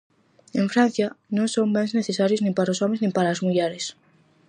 En Francia, non son bens necesarios nin para os homes nin para as mulleres.